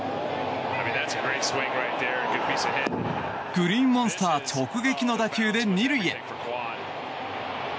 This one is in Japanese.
グリーンモンスター直撃の打球で２塁へ。